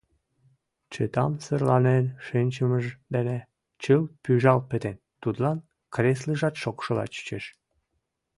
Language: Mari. Чытамсырланен шинчымыж дене чылт пӱжалт пытен, тудлан креслыжат шокшыла чучеш.